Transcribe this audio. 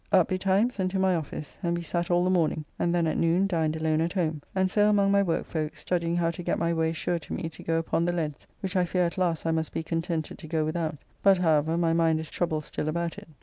Up betimes and to my office, and we sat all the morning, and then at noon dined alone at home, and so among my work folks studying how to get my way sure to me to go upon the leads, which I fear at last I must be contented to go without, but, however, my mind is troubled still about it.